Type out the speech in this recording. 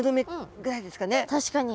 確かに。